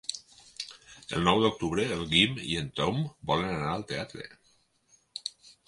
El nou d'octubre en Guim i en Tom volen anar al teatre.